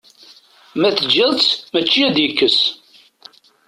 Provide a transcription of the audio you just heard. Ma teǧǧiḍ-t mačči ad d-ikkes.